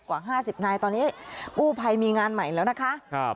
กว่า๕๐นายตอนนี้กู้ภัยมีงานใหม่แล้วนะคะครับ